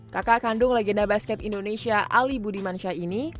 kakak kandung legenda basket indonesia ali budimansyah ini